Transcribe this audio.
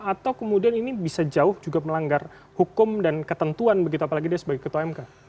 atau kemudian ini bisa jauh juga melanggar hukum dan ketentuan begitu apalagi dia sebagai ketua mk